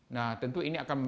nah tentu ini akan